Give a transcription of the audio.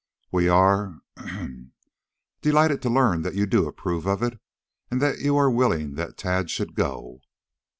We are ahem delighted to learn that you do approve of it and that you are willing that Tad should go."